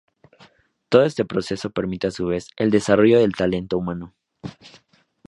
Todo este proceso permite a su vez, el desarrollo del talento humano.